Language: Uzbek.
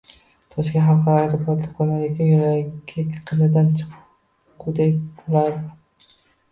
Toshkent xalqaro aeroportiga qo`nar ekan yuragi qinidan chiqqudek urardi